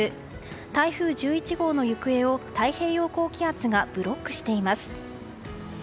台風１１号の行方を太平洋高気圧がブロックしています。